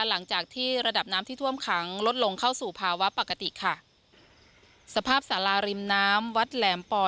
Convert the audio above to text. หลังจากที่ระดับน้ำที่ท่วมขังลดลงเข้าสู่ภาวะปกติค่ะสภาพสาราริมน้ำวัดแหลมปอ